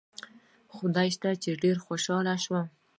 خدای شته چې ډېر خوشاله شوم.